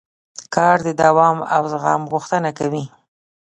کار د دوام او زغم غوښتنه کوي